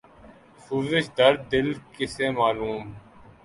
سوزش درد دل کسے معلوم